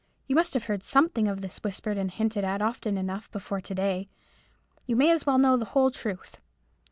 You must have heard something of this whispered and hinted at often enough before to day. You may as well know the whole truth.